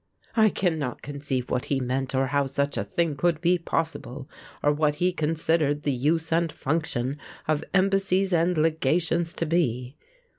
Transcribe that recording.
I cannot conceive what he meant or how such a thing could be possible, or what he considered the use and function of Embassies and Legations to be.